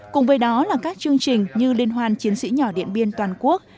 cùng với đó là các chương trình như liên hoan chiến sĩ nhỏ điện biên toàn quốc